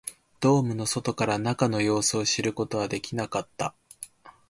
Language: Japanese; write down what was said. ドームの外から中の様子を知ることはできなかった